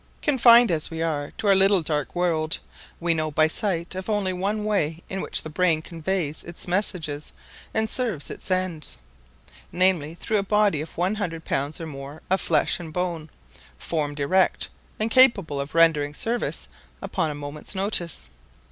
Confined as we are to our little dark world, we know by sight of only one way in which the brain conveys its messages and serves its ends, namely, through a body of one hundred pounds or more of flesh and bone, formed erect, and capable of rendering service upon a moment's notice.